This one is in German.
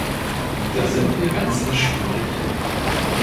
Da sind wir ganz entschieden dagegen!